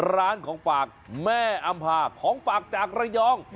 ร้านของฝากแม่อำภาของฝากจากระยอง